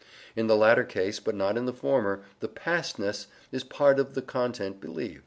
In the latter case, but not in the former, the pastness is part of the content believed.